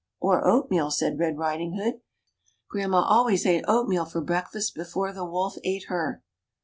Or oatmeal," said Red Riding hood. Grandma always ate oatmeal for breakfast before the wolf ate her."